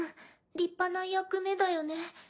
立派な役目だよね。